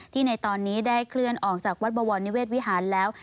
ในตอนนี้ได้เคลื่อนออกจากวัดบวรนิเวศวิหารแล้ว